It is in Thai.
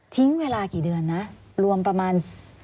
ทิ้งเวลากี่เดือนนะรวมประมาณ